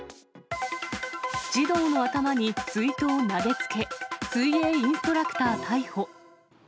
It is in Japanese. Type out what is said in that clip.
児童の頭に水筒投げつけ、水泳インストラクター逮捕。